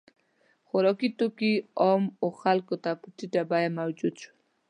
• خوراکي توکي عامو خلکو ته په ټیټه بیه موجود شول.